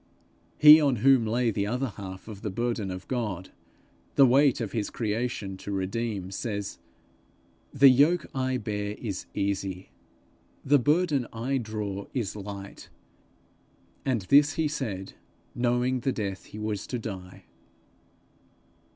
He on whom lay the other half of the burden of God, the weight of his creation to redeem, says, 'The yoke I bear is easy; the burden I draw is light'; and this he said, knowing the death he was to die.